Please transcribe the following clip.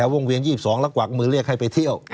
วงเวียน๒๒แล้วกวักมือเรียกให้ไปเที่ยว